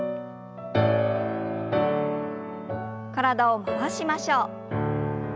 体を回しましょう。